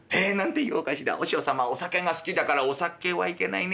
和尚様お酒が好きだからお酒はいけないね。